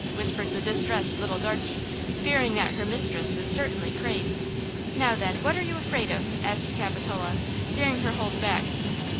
whimpered the distressed little darkey, fearing that her mistress was certainly crazed. "Now, then, what are you afraid of?" asked Capitola, seeing her hold back.